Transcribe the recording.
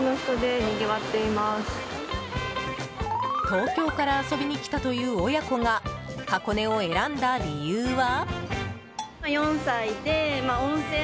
東京から遊びに来たという親子が、箱根を選んだ理由は？